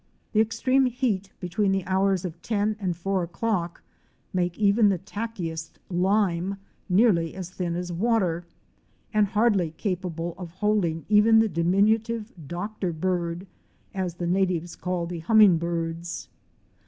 The extreme heat between the hours of ten and four o'clock make even the "tackiest" lime nearly as thin as water, and hardly capable of holding even the diminutive "doctor bird" as the natives call the Hummingbirds.